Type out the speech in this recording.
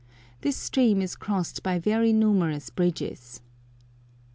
This stream is crossed by very numerous bridges.